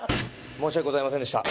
申し訳ございませんでした。